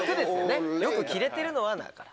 「よく着れてるのは」だから。